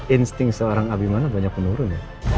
insting seorang abimana banyak menurun